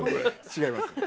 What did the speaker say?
違います。